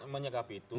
itu menyegapi itu